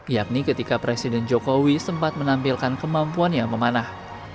yakni ketika presiden jokowi sempat menampilkan kemampuannya memanah